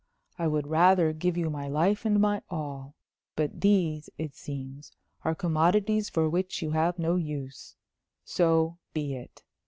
I would rather give you my life and my all. But these, it seems, are commodities for which you have no use. So be it.